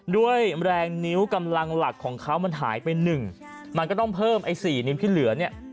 ด้วยแรงนิ้วกำลังหลักของเขามันหายไปหนึ่งมันก็ต้องเพิ่มไอ้สี่นิ้วที่เหลือเนี่ย